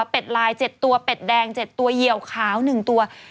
ลาย๗ตัวเป็ดแดง๗ตัวเหยียวขาว๑ตัว